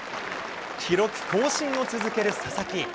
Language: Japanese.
記録更新を続ける佐々木。